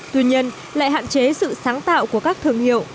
tuy nhiên lại hạn chế sự sáng tạo của các thương hiệu